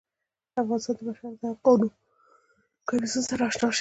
د افغانستان د بشر د حقونو کمیسیون سره اشنا شي.